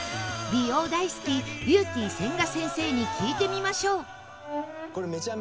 美容大好きビューティー千賀先生に聞いてみましょう。